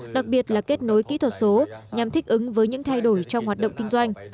đặc biệt là kết nối kỹ thuật số nhằm thích ứng với những thay đổi trong hoạt động kinh doanh